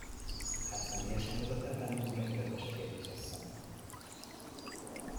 Hát személyesen vezet el bennünket, kedves egérkisasszony?